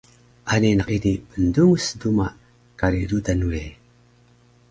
Ani naq ini pndungus duma kari rudan we